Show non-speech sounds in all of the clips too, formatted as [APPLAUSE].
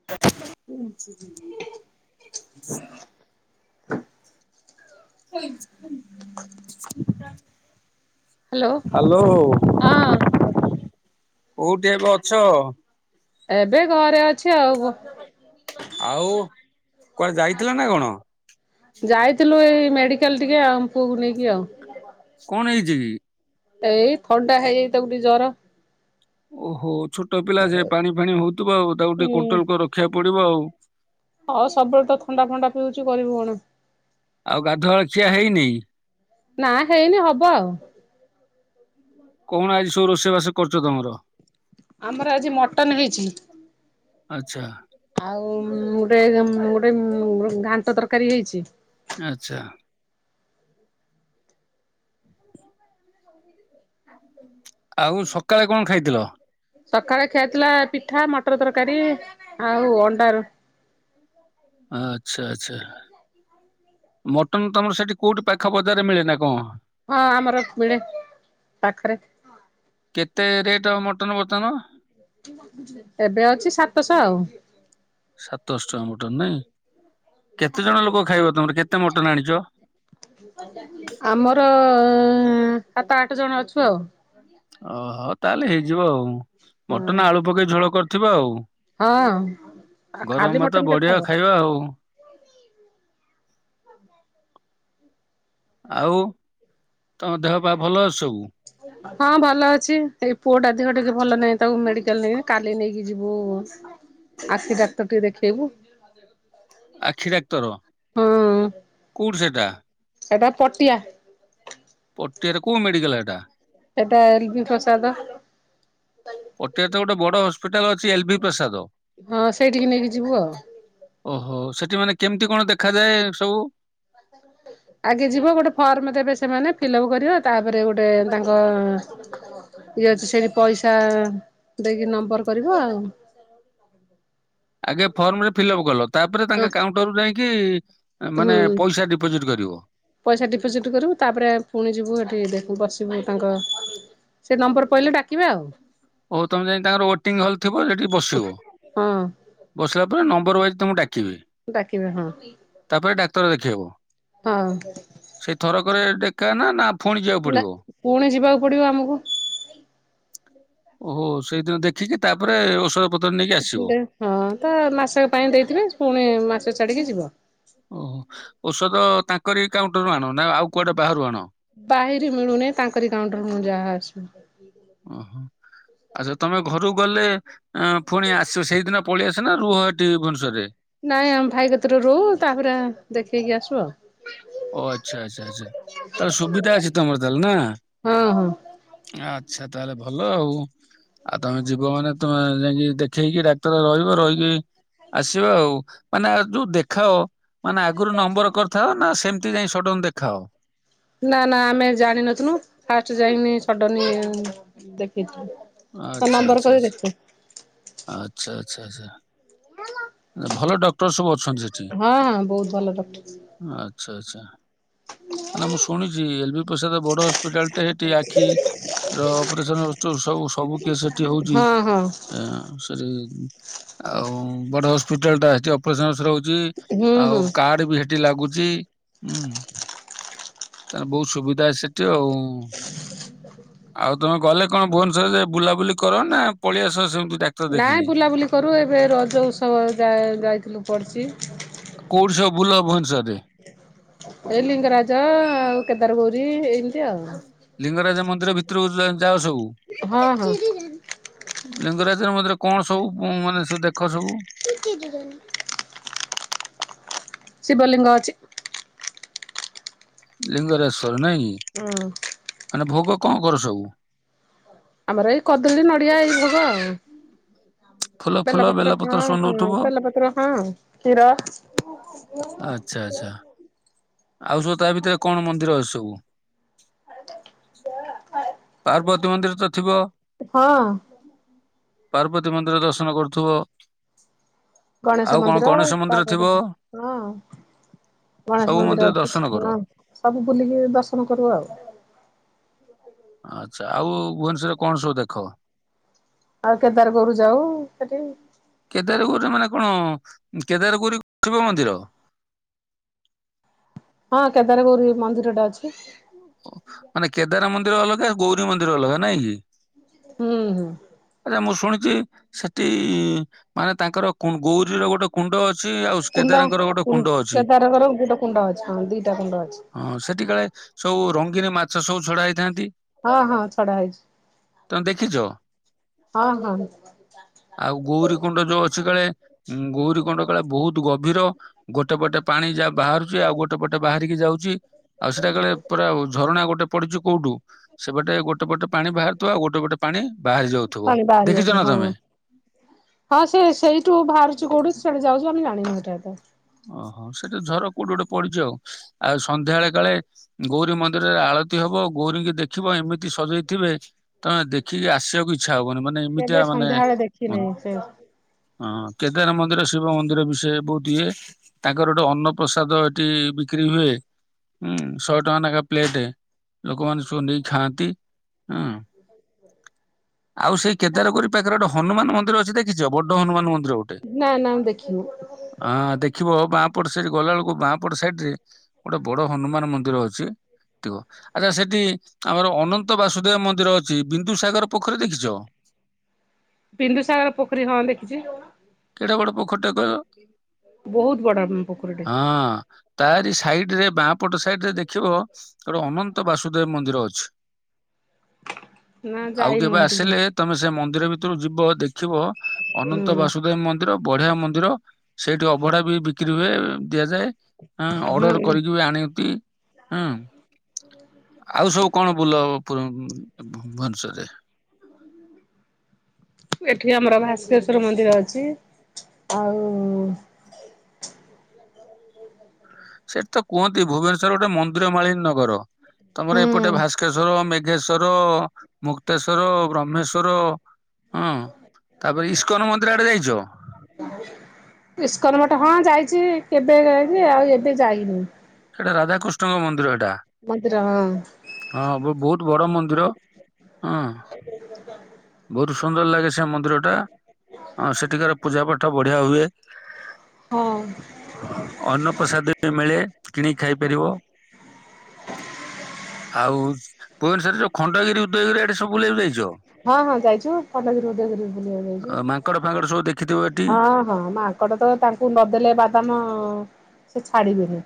[UNINTELLIGIBLE] [UNINTELLIGIBLE] Hello ହଁ କୋଉଠି ଏବେ ଅଛ? ଏବେ ଘରେ ଅଛ୍ ଆଉ କୁଆଡେ ଯାଇଥିଲ ନା କଣ? ଯାଇଥିଲୁ ଏଇ ମେଡିକାଲ୍ ଟିକେ ଆଉ ପୁଅକୁ ନେଇକି ଆଉ କଣ ହେଇଚି କି? ଏଇ ଥଣ୍ଡା ହେଇଯାଇଚି ତାକୁ ଟିକେ ଜର। ଓହୋ ଛୋଟ ପିଲା ସେ ପାଣି ଫାଣି ହଉଥିବ ଆଉ ତାକୁ ଟିକେ ହୁଁ। କୋଣ୍ଟଲ୍ କରି ରଖିବାକୁ ପଡିବ ଆଉ। ହଁ ସବୁବେଳେ ତ ଥଣ୍ଡା ଫଣ୍ଡା ପିଉଚି କରିବି କଣ। ଆଉ ଗାଧୁଆ [UNINTELLIGIBLE] ହେଇନି? ନା ହେଇନି ହବ ଆଉ। କଣ ଆଜି ସବୁ ରୋଷେଇବାସ କରିଚ ତମର? ଆମର ଆଜି ମଟନ୍ ହେଇଚି। ଆଚ୍ଛା ଆଉ ଗୋଟେ ଉଁ -ଗୋଟେ ଘାଣ୍ଟ ତରକାରୀ ହେଇଚି। ଆଛା। [UNINTELLIGIBLE] ଆଉ ସକାଳେ କଣ ଖାଇଥିଲ? ସକାଳେ ଖିଆହେଇ ଥିଲା ପିଠା ମଟର ତରକାରୀ ଆଉ ଅଣ୍ଡା ର ଆଛା- ଆଛା। ମଟନ୍ ତମର ସେଠି କଉଠି ପାଖ ବଜାରରେ ମିଳେ ନା କଣ? ହଁ ଆମର ମିଳେ ପାଖରେ। କେତେ ରେଟ ମଟନ୍ ବର୍ତ୍ତମାନ? ଏବେ ଅଛି ସାତଶ ଆଉ। ସାତଶ ଟଙ୍କା ମଟନ୍ ନାଇଁ- କେତେ ଜଣ ଲୋକ ଖାଇବ ତମର କେତେ ମଟନ ଆଣିଚ? ଆମର ସାତ ଆଠ ଜଣ ଅଛୁ ଆଉ। ଓହୋ ତାହେଲେ ହେଇଯିବ ଆଉ ମଟନ ଆଳୁ ପକେଇ ଝୋଳ କରିଥିବ ଆଉ। ହଁ ଖାଲି ଗରମ୍ ମଟନ ଭାତ କେତେ ହବ? ବଢିଆ ଖାଇବା ଆଉ। ଆଉ ତମ ଦେହ ପା ଭଲ ଅଛି ସବୁ? ହଁ ଭଲ ଅଛି ଏଇ ପୁଅଟା ଦିହ ଟିକେ ଭଲ ନାହିଁ ତାକୁ ମେଡିକାଲ ନେଇ କାଲି ନେଇକି ଯିବୁ ଆଖି ଡାକ୍ତର ଟିକେ ଦେଖେଇବୁ। ଆଖି ଡାକ୍ତର ହଁ କଉଠି ସେଟା? ସେଟା ପଟିଆ। ପଟିଆରେ କଉ ମେଡିକାଲ ହେଟା? ସେଟା ଏଲ୍ ବି ପ୍ରସାଦ। ପଟିଆରେ ତ ଗୋଟେ ବଡ ହସ୍ପିଟାଲ ଅଛି ଏଲ୍ ବି ପ୍ରସାଦ। ହଁ ସେଇଠିକି ନେଇକି ଯିବୁ ଆଉ। ଓହୋ ସେଠି ମାନେ କେମିତି କଣ ଦେଖାଯାଏ ସବୁ? ଆଗେ ଯିବ ଗୋଟେ ଫର୍ମ ଦେବେ ସେମାନେ ଫିଲଅପ କରିବ ତାପରେ ଗୋଟେ ତାଙ୍କ ଇଏ ଅଛି ସେଇଠି ପଇସା ଦେଇକି ନମ୍ବର କରିବ ଆଉ। ଆଗେ ଫର୍ମ ରେ ଫିଲ୍ଅପ କଲ ତାପରେ ହଁ ତାଙ୍କ କାଉଣ୍ଟର ରୁ ଯାଇକିଁ ମାନେ ହୁଁ। ପଇସା ଡିପୋଜିଟ୍ କରିବ? ପଇସା ଡିପୋଜିଟ୍ କରିବୁ ତାପରେ ପୁଣି ଯିବୁ ହେଟି ବସିବୁ ତାଙ୍କ ସେ ନମ୍ବର୍ ପଇଲେ ଡାକିବେ ଆଉ। ଓ ତମେ ଯାଇ ତାଙ୍କର ୱେଟିଙ୍ଗ ହଲ୍ ଥିବ ସେଠି ବସିବ? ହଁ ବସିଲା ପରେ ନମ୍ବର ୱାଇଜ୍ ତମକୁ ଡାକିବେ? ଡାକିବେ ହଁ। ତାପରେ ଡାକ୍ତର ଦେଖେଇବ? ହଁ। ସେଇ ଥରକରେ ଡେକା ନା- ନା ଫୁଣି ଯିବାକୁ ନା ପଡିବ? ପୁଣି ଯିବାକୁ ପଡିବ ଆମକୁ। ଓହୋ ସେଇଦିନ ଦେଖିକି ତାପରେ ଔଷଧ ପତ୍ର ନେଇକି ଆସି ଦେ -ହଁ ତ ମାସ ପାଇଁ ଦେଇଥିବେ ପୁଣି ମାସ ଛାଡିକି ଯିବ। ଓହୋ ଔଷଧ ତାଙ୍କରି କାଉଣ୍ଟରରୁୁ ଆଣ ନା ଆଉ କୁଆଡେ ବାହାରୁ ଆଣ? ବାହାରି ମିଳୁନି ତାଙ୍କରି କାଉଣ୍ଟରେ ମୁଁ ଯାହା ଆସିବ। ଓହୋ, ଆଛା ତମେ ଘରକୁ ଗଲେ ପୁଣି ଆସିବ ସେଇଦିନ ପଳେଇଆସ ନା ରୁହ ଏଠି ଭବେଶ୍ୱରରେ? ନାଇଁ ଆମ ଭାଇ କତିରେ ରହୁ ତାପରେ ଦେଖେଇକି ଆସୁ ଆଉ। ଓ ଆଚ୍ଛା ଆଚ୍ଛା ଆଚ୍ଛା, ତାହେଲେ ସୁବିଧା ଅଛି ତମର ତାହେଲେ ନା? ହଁ ହଁ ଆଛା ତାହେଲେ ଭଲ ଆଉ। ଆଉ ତମେ ଯିବ ମାନେ ତମେ ଯାଇକି ଦେଖେଇକି ଡାକ୍ତର ରହିବ ରହିକି ଆସିବା ଆଉ, ମାନେ ଯୋଉ ଦେଖାଅ ମାନେ ଆଗରୁ ନମ୍ବର କରିଥାଅ ନା ସେମ ସେମିତି ଯାଇ ସଡନ ଦେଖାଅ। ନା ନା ଆମେ ଜାଣିିନଥିଲୁ ଫାଷ୍ଟ ଯାଇକିନି ସଡନ ଦେଖେଇ ଥିଲୁ। ତ ଆଚ୍ଛା, ନମ୍ବର ଆଚ୍ଛା, କରି ଆଚ୍ଛା। ଦେଖ। ଆଚ୍ଛା ଆଚ୍ଛା ଆଚ୍ଛା, ଭଲ ଡକ୍ଟର ସବୁ ଅ ହଁ ହଁ ବହୁତ ଭଲ ଡକ୍ଟର। ଆଚ୍ଛା ଆଚ୍ଛା। କାଇଁ ନା ମୁଁ ଶୁଣିଛି ଏଲ ବି ପ୍ରସାଦ ବଡ ହସ୍ପିଟାଲ ଟା ଏଠି ଆଖି ର ଅପରେସନ ସବୁ ସବୁ କେସ ସେଠି ହଉଛି, ହଁ ହଁ ସେଠି ଆଉ ବଡ ହସ୍ପିଟାଲ ଟା ଅଛି, ଅପରେସନ ରହୁଛି ହୁଁ ହୁଁ। ଆଉ କାର୍ଡ ବି ଏ ଠି ଲାଗୁଛି ହୁଁ, ତାଲେ ବହୁତ ସୁବିଧା ସେଠି ଆଉ। ଆଉ ତମେ ଗଲେ କଣ ଭୋବନେଶ୍ଵର ରେ ବୁଲାବୁଲି କର ନା ପଳେଇ ସହ ସେମିତି ଡାକ ନାଇଁ ବୁଲାବୁଲି କରୁ, ଏବେ ରଜ ଉତ୍ସବ ଯା-ଯାଇଥିଲୁ ପଡ଼ିଛି। କୋଉଠି ସବୁ ବୁଲ ଭୁବନେଶ୍ବର ରେ? ଏ ଲିଙ୍ଗରାଜ ଆଉ କେଦାର ଗୌରୀ ଏମିତି ଆଉ। ଲିଙ୍ଗରାଜ ମନ୍ଦିର ଭିତରକୁ ଯା-ଯାଅ ସବୁ? ହଁ ହଁ। ଲିଙ୍ଗରାଜ ମନ୍ଦିର କଣ ସବୁ ମାନେ ସବୁ ଦେଖ ସବୁ? କି କି ଯିବାନ। ଶିବଲିଙ୍ଗ ଅଛି। ଲିଙ୍ଗରାଜସ୍ୱର ନାଇଁ କି? ହୁଁ। ମାନେ ଭୋଗ କଣ କର ସବୁ? ଆମର ଏଇ କଦଳୀ ନଡିଆ ଏଇ ଭୋଗ ଆଉ। ଫୁଲ ଫୁଲ ବେଲପତ୍ର ହଁ, ସବୁ ହଁ ନଉଥିବ ବେଲପତ୍ର ହଁ କ୍ଷୀର। ଆଚ୍ଛା ଆଚ୍ଛା, ଆଉ ସବୁ ତା ଭିତରେ କଣ ମନ୍ଦିର ଅଛି ସବୁ? [UNINTELLIGIBLE] ପାର୍ବତୀ ମନ୍ଦିର ତ ଥିବ? ହଁ। ପାର୍ବତୀ ମନ୍ଦିର ଦର୍ଶନ କରୁଥିବ। ଗଣେଶ ଆଉ କଣ ମନ୍ଦିର, ଗଣେଶ ମନ୍ଦିର ଥିବ ପାର୍ବତୀ ହଁ। ଗଣେଶ ସବୁ ମନ୍ଦିର ଅଛି ଦର୍ଶନ କର ହଁ ସବୁ ବୁଲିକି ଦର୍ଶନ କରୁ ଆଉ। ଆଚ୍ଛା ଆଉ ଭୁବନେଶ୍ୱରରେ କଣ ସବୁ ଦେଖ? ଆଉ କେଦାର ଗୌରୀ ଯାଉ ସେଠି। କେଦାରଗୌରିରେ ମାନେ କଣ କେଦାରଗୌରୀ ଶିବ ମନ୍ଦିର? ହଁ କେଦାରଗୌରୀ ମନ୍ଦିରଟେ ଅଛି। ମାନେ କେଦାର ମନ୍ଦିର ଅଲଗା, ଗୌରୀ ମନ୍ଦିର ଅଲଗା ନାଇଁ କି? ହୁଁ ହୁଁ। ଆଛା ମୁଁ ଶୁଣିଛି ସେଠି ମାନେ ତାଙ୍କର ଗୌରୀର ଗୋଟେ କୁଣ୍ଡ ଅଛି? ଆଉ କୁଣ୍ଡ କେଦାରଙ୍କର ଗୋଟେ କୁଣ୍ଡ ଅଛି। କୁ-କେଦାରଙ୍କର ଗୋଟେ କୁଣ୍ଡ ଅଛି ହିଁ, ଦିଟା କୁଣ୍ଡ ଅଛି। ହଁ ସେଠି କାଳେ ସବୁ ରଙ୍ଗୀନୀ ମାଛ ସବୁ ଛଡା ହେଇଥାନ୍ତି? ହଁ ହଁ ଛଡା ହେଇଛି। ତମେ ଦେଖିଛ। ହଁ ହଁ। ଆଉ ଗୌରୀ କୁଣ୍ଡ ଯୋଉ ଅଛି କାଳେ ଗୌରୀ କୁଣ୍ଡ କାଳେ ବହୁତ ଗଭୀର। ଗୋଟେ ପଟେ ପାଣି ଯା ବାହାରୁଛି ଆଉ ଗୋଟେ ପଟେ ବାହାରିକି ଯାଉଛି। ଆଉ ସେଟା କାଳେ ପୁରା ଅ ଝରଣା ଗୋଟେ ପଡିୁଛି କୋଉଠୁ ସେବାଟେ ଗୋଟେ ପଟେ ପାଣି ବାହାରୁଥିବ ଆଉ ଗୋଟେ ପଟେ ପାଣି ବାହାରିଯିବ। ପାଣି ବାହାରି ଯାଉଛି ହଁ। ହଁ ସେ ସେଇଠୁ ବାହାରୁଛି କୋଉଠି ସେଆଡେ ଯାଉଛି ଆମେ ଜାଣିନି ଏଟା ଏତେ। ଅହ ସେଟି ଝର କୋଉଠି ଗୋଟେ ପଡିଛି ଆଉ ଆଉ ସନ୍ଧ୍ୟାବେଳେ କାଳେ ଗୌରୀ ମନ୍ଦିରରେ ଆଳତୀ ହବ ଗୌରୀଙ୍କୁ ଦେଖିବ ଏମିତି ସଜେଇଥିବେ ତମେ ଦେଖିକି ଆସିବାକୁ ଇଚ୍ଛା ହବନି ମାନେ ଏମିତିଆ କେବେ ମାନେ ସନ୍ଧ୍ୟାବେଳେ ଦେଖିନି କହନି। ସେ ହଁ କେଦାର ମନ୍ଦିର ଶିବ ମନ୍ଦିର ବିଷୟରେ ବହୁତ୍ ଇଏ। ତାଙ୍କର ଗୋଟେ ଅନ୍ନପ୍ରସାଦ ଏଠି ବିକ୍ରି ହୁଏ ହୁଁ ଶହେ ଟଙ୍କା ନାକା ପ୍ଲେଟ ଲୋକମାନେ ସବୁ ନେଇକି ଖାଆନ୍ତି ହୁଁ। ଆଉ ସେଇ କେଦାରଗୌରୀ ପାଖରେ ଗୋଟେ ହନୁମାନ ମନ୍ଦିର ଅଛି ଦେଖି କିଚ ବଡ଼ହନୁମାନ ମନ୍ଦିର ଗୋଟେ ନା ନା ମୁଁ ଦେଖିନୁ। ଆଁ ଦେଖ ଦେଖିବ ବାଁପଟ ସେଇଠି ଗଲା ବେଳକୁ ବାଁପଟ ସାଇଡ ରେ ଗୋଟେ ବଡ ହନୁମାନ ମନ୍ଦିର ଅଛି। ଥିବ ଆଚ୍ଛା ସେଠି ଆମର ଅନନ୍ତ ବାସୁଦେବ ମନ୍ଦିର ଅଛି ବିନ୍ଦୁସାଗର ପୋଖରି ଦେଖିଛ। ବିନ୍ଦୁସାଗର ପୋଖରୀ ହଁ ଦେଖିଛି। କେଡେ ବଡ ପୋଖରୀଟେ କହିଲ। ବହୁତ ବଡ ଉଁ ପୋଖରୀଟେ। ହଁ ତାରି ସାଇଡରେ ବାଁ ପଟ ସାଇଡରେ ଦେଖିବ ସେ ଗୋଟେ ଅନନ୍ତ ବାସୁଦେବ ମନ୍ଦିର ଅଛି। ନା ଆଉ ଯାଇନୁ କେବେ ହେଠିକି। ଆସିଲେ ତମେ ସେ ମନ୍ଦିର ଭିତରୁ ଯିବ ଦେଖିବ ହୁଁ ଅନନ୍ତ ବାସୁଦେବ ମନ୍ଦିର ବଢିଆ ମନ୍ଦିର ସେଠି ଅଭଢା ବି ବିକ୍ରି ହୁଏ ଦିଆଯାଏଁ ହିଁ ଅର୍ଡର ହୁଁ। କରିକି ବି ଆଣନ୍ତି ଉଁ ଆଉ ସବୁ କଣ ବୁଲ ପୁଁ ଭୁଏନେଶ୍ୱରରେ। ଏଠି ଆମର ଭାସ୍କେଶ୍ଵର ମନ୍ଦିର ଅଛି ଆଉ ସେଠି ତ କୁହନ୍ତି ଭୁବନେଶ୍ୱର ଗୋଟେ ମନ୍ଦିର ମାଳିନୀ ନଗର ତମର ହୁଁ। ଏପଟେ ଭାସ୍କେଶ୍ଵର ମେଘ୍ ଯେଶ୍ଵର ମୁକ୍ତେଶ୍ଵର ବ୍ରହ୍ମେଶ୍ଵର ହଁ। ତାପରେ ଇସ୍କନ ମନ୍ଦିର ଆଡ଼େ ଯାଇଚ। ଇସ୍କନ ମଠ ହଁ ଯାଇଛି କେବେ ଯାଇଛି ଆଉ ଏବେ ଯାଇନେଇ। ସେଟା ରାଧାକୃଷ୍ଣଙ୍କ ମନ୍ଦିର ଏଟା। ମନ୍ଦିର ହଁ ହଁ ବହୁତ ବଡ ମନ୍ଦିର ହଁ। [INAUDIBLE] ବହୁତ ସୁନ୍ଦର ଲାଗେ ସେ ମନ୍ଦିର ଟା। ହଁ ସେଠିକାର ପୂଜା ପାଠ ବଢିଆ ହୁଏ। ହଁ ଅନ୍ନପ୍ରସାଦ ବି ମିଳେ କିଣିକି ଖାଇପାରିବ। ଆଉ ଭୁବନେଶରରେ ଯୋଉ ଖଣ୍ଡଗିରି ଉଦୟଗିରି ଆଡେ ସବୁ ବୁଲିବାକୁ ଯାଇଚ। ହଁ ହଁ ଯାଇଛୁ ଖଣ୍ଡଗିରି ଉଦୟଗିରି। ବୁଲିବାକୁ ଯାଇଛୁ। ଅ ମାଙ୍କଡ଼ ଫାଙ୍କଡ଼ ସବୁ ଦେଖିଥିବ ଏଠି। ହଁ ହଁ ମାଙ୍କଡ ତ ତାଙ୍କୁ ନଦେଲେ ବାଦାମ ସେ ଛାଡ଼ିବେନି।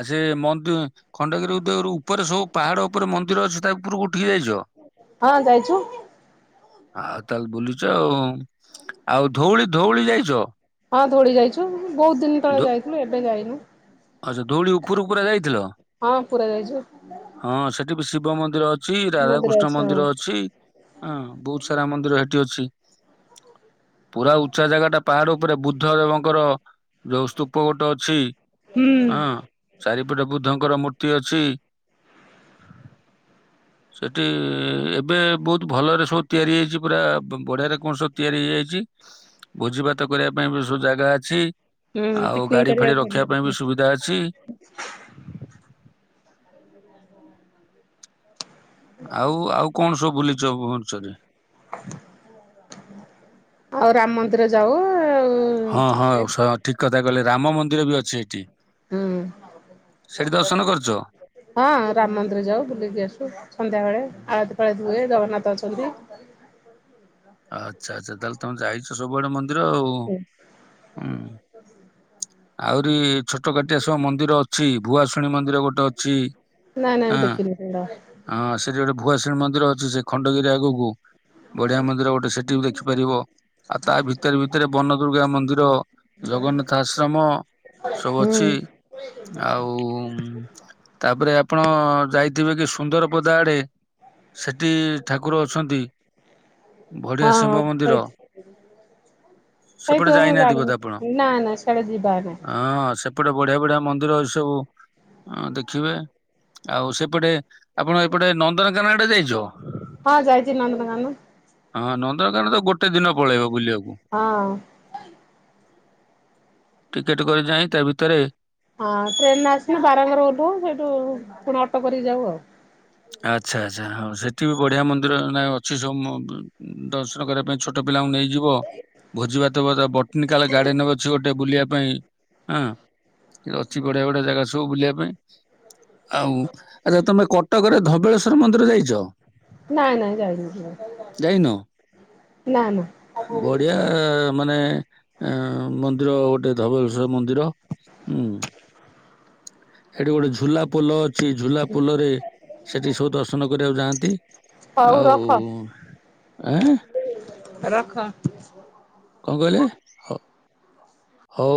ଆ ସେ ମନ୍ଦି ଖଣ୍ଡଗିରି ଉଦୟଗିରି ଉପରେ ସବୁ ପାହାଡ ଉପରେ ମନ୍ଦିର ଅଛି ତା ଉପରକୁ ଉଠିକି ଯାଇଚ। ହଁ ଯାଇଛୁ ଆଉ ତାହେଲେ ବୁଲୁଛ ଆଉ ଆଉ ଧଉଳି ଧଉଳି ଯାଇଚ଼। ହଁ ଧଉଳି ଯାଇଛୁ ବହୁତ ଦିନ ତଳେ ଯାଇଥିଲୁ ଏବେ ଯାଇନି। ଆଛା ଧୌଳି ଉପରକୁ ପୁରା ଯାଇଥିଲ। ହଁ ପୁରା ଯାଇଚୁ। ହଁ ସେଠି ବି ଶିବ ମନ୍ଦିର ଅଛି ମନ୍ଦିର ରାଧାକୃଷ୍ଣ ଅଛି ହଁ ମନ୍ଦିର ଅଛି। ହଁ ବହୁତ ସାରା ମନ୍ଦିର ହେଠି ଅଛି। ପୁରା ଉଚ୍ଚା ଜାଗାଟା ପାହାଡ଼ ଓପରେ ବୁଦ୍ଧ ଦେବଙ୍କର ଯୋଉ ସ୍ତୁପ ଗୋଟ ଅଛି ହୁଁ ଅଁ ଚାରିପଟେ ବୁଦ୍ଧଙ୍କର ମୂର୍ତ୍ତି ଅଛି। ସେଠି ଏବେ ବହୁତ ଭଲରେ ସବୁ ତିଆରି ହେଇଚି ପୁରା ବ ବଢ଼ିଆରେ। କଣସ ତିଆରି ହେଇଯାଇଛି ଭୋଜି ଭାତ କରିବା ପାଇଁ ବି ସବୁ ଜାଗା ଅଛି। ହୁଁ ଆଉ ପିକନିକ ଗାଡି ଫାଡ଼ି କରିବାକୁ ଭଲ ରଖିବା ପାଇଁ ଲାଗେ। ବି ସୁବିଧା ଅଛି। ଆଉ ଆଉ କଣ ସବୁ ବୁଲିଛ ଭୁବନେଶ୍ଵରେ? ଆଉ ରାମ ମନ୍ଦିର ଯାଉ ଆଉ ହଁ ହଁ ହୁଁ ସ ଠିକ କଥା କହିଲେ ରାମ ମନ୍ଦିର ବି ଅଛି ହେଟି। କରିଛ? ହୁଁ। ହଁ ରାମ ମନ୍ଦିର ଯାଉ ବୁଲିକି ଆସୁ ସନ୍ଧ୍ୟା ବେଳେ ଆଳତି ଫାଳତି ହୁଏ ଜଗନ୍ନାଥ ଅଛନ୍ତି। [UNINTELLIGIBLE] ଆଚ୍ଛା ଆଚ୍ଛା ତାହେଲେ ତମେ ଯାଇଛ ସବୁଆଡ଼େ ମନ୍ଦିର ଆଉ। ଉଁ ଆହୁରି ଛୋଟକାଟିଆ ସବୁ ମନ୍ଦିର ଅଛି ଭୁଆଶୁଣୀ ମନ୍ଦିର ଗୋଟେ ଅଛି ନାଇଁ ନାଇଁ ଇଁ। ଦେଖିନି ସେଗୁଡା। ହଁ ସେଠି ଗୋଟେ ଭୁଆସିଣୀ ମନ୍ଦିର ଅଛି ସେ ଖଣ୍ଡଗିରି ଆଗକୁ ବଢ଼ିଆ ମନ୍ଦିର ଗୋ ସେଠି ବି ଦେଖିପାରିବ ଆଉ ତା ଭିତରେ ଭିତରେ ବନ ଦୁର୍ଗା ମନ୍ଦିର ଜଗନ୍ନାଥ ଆଶ୍ରମ ସବୁ ହୁଁ ଅଛି ଆଉ ଉମ୍ ତାପରେ ଆପଣ ଯାଇଥିବେ କି ସୁନ୍ଦର ପଦା ଆଡ଼େ? ସେଠି ଠାକୁର ଅଛନ୍ତି। ବଢିଆ ଶିବ ହଁ ମନ୍ଦିର ହେଇଚି। ସେପଟେ ହେଇଥିବ ମୁଁ ଯାଇନାହାନ୍ତି ଜାଣିନି ନା ନା ସିଆଡ଼େ ଯିବା ନାଇଁ। ଅଁ ସେପଟେ ବଢ଼ିଆ ବଢ଼ିଆ ମନ୍ଦିର ଅଛି ସବୁ। ଅଁ ଦେଖିବେ ଆଉ ସେପଟେ ଆପଣ ଏପଟେ ନନ୍ଦନକାନ ଆଡ଼େ ଯାଇଚ? ହଁ ଯାଇଚି ନନ୍ଦନକାନ। ହଁ ନନ୍ଦନକାନ ତ ଗୋଟେ ଦିନ ପଳେଇବ ବୁଲିବାକୁ। ହଁ। ଟିକେଟ କରି ଯାଇଁ ତା ଭିତରେ ହଁ ଟ୍ରେନରେ ଆସିକି ବାରଙ୍ଗରେ ଓଲ୍ହୋଉ ସେଇଠୁ ପୁଣି ଅଟୋ କରିକି ଯାଉ ଆଉ। ଆଚ୍ଛା ଆଚ୍ଛା ହଁ ସେଠି ବି ବଢ଼ିଆ ମନ୍ଦିର ନା ଅଛି ସ ମ ଦର୍ଶନ କରିବା ପାଇଁ ଛୋଟ ପିଲାଙ୍କୁ ନେଇ। ଯିବ ଭୋଜି ବାତବ ବଟାନିକାଲ ଗାର୍ଡେନେ ଅଛି ଗୋଟେ ବୁଲିବା ପାଇଁ ଆଁ। ଅଛି ବଢ଼ିଆ ବଢ଼ିଆ ଜାଗା ସବୁ ବୁଲିବା ପାଇଁ ଆଉ ଆଛ ତମେ କ କରେ ଧବଳେଶ୍ଵର ମନ୍ଦିର ଯାଇଛ? ନାଇଁ ନାଇଁ ଯାଇନି ସିଆ ଯାଇନୁ ନା ବଢ଼ିଆ ମାନେ ଆଁ ମନ୍ଦିର ଗୋଟେ ଧବେଳେଶ୍ଵର ମନ୍ଦିର ଉଁ। ହେଟି ଗୋଟେ ଝୁଲା ପୋଲ ଅ ଛି ଝୁଲା ପୋଲରେ ସେଠି ସବୁ ଦର୍ଶନ କରିବାକୁ ଯାଆନ୍ତି ହଉ ରଖ ଆଉ ଆଁ ରଖ। କଣ କହିଲେ? ହ ହଉ।